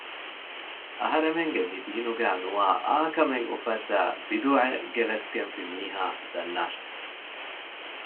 އަހަރެމެންގެ މި ދީނުގައި ނުވާ އާ ކަމެއް އުފައްދައި ބިދުޢައެއް ގެނެސްގެންފި މީހާ ދަންނާށޭ